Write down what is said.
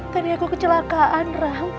tadi aku kecelakaan rama